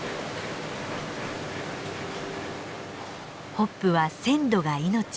ホップは鮮度が命。